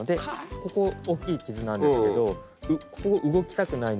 ここおっきい傷なんですけどここ動きたくないので。